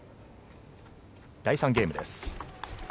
第３ゲームです。